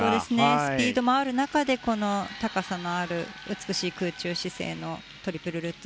スピードもある中で高さのある美しい空中姿勢のトリプルルッツ